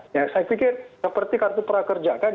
ya saya pikir seperti kartu prakerja kan